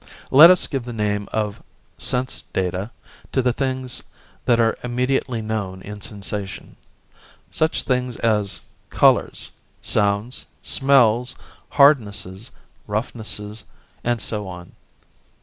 Let us give the name of 'sense data' to the things that are immediately known in sensation: such things as colours, sounds, smells, hardnesses, roughnesses, and so on.